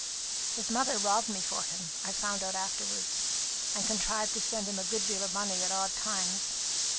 His mother robbed me for him, I found out afterwards, and contrived to send him a good deal of money at odd times.